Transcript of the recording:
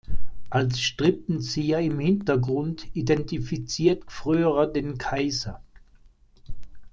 Als Strippenzieher im Hintergrund identifiziert Gfrörer den Kaiser.